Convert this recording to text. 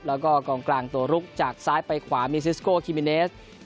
แล้วก็กองกลางตัวลุกจากซ้ายไปขวามีซิสโกคิมิเนส